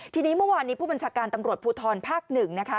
ทีนี้เมื่อวานนี้ผู้บัญชาการตำรวจภูทรภาค๑นะคะ